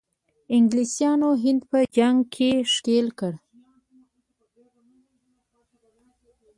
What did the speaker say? انګلیسانو هند په جنګ کې ښکیل کړ.